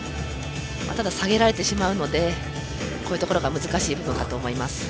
ただ、下げられてしまうのでこういうところが難しい部分かと思います。